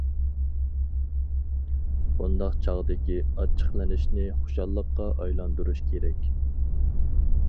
بۇنداق چاغدىكى ئاچچىقلىنىشنى خۇشاللىققا ئايلاندۇرۇش كېرەك.